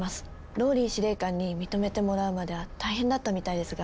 ＲＯＬＬＹ司令官に認めてもらうまでは大変だったみたいですが。